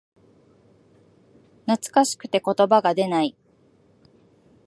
懐かしくて言葉が出ない